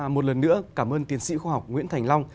một lần nữa cảm ơn tiến sĩ khoa học nguyễn thành long